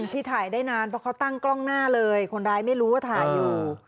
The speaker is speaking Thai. ที่ถ่ายได้นานเพราะเขาตั้งกล้องหน้าเลยคนร้ายไม่รู้ว่าถ่ายอยู่